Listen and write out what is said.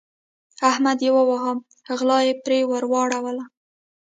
احمد يې وواهه؛ غلا يې پر واړوله.